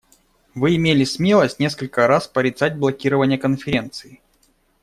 Вы имели смелость несколько раз порицать блокирование Конференции.